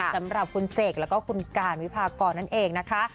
สำหรับคุณเสกแล้วก็คุณการวิพากรนั่นเองนะคะ